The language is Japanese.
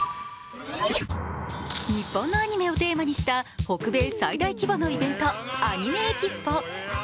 日本のアニメをテーマにした北米最大規模のイベントアニメ・エキスポ。